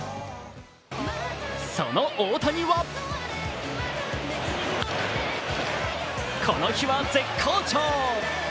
その大谷はこの日は絶好調。